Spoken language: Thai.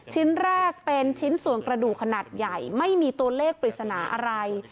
ชิ้นแรกเป็นชิ้นส่วนกระดูกขนาดใหญ่ไม่มีตัวเลขปริศนาอะไร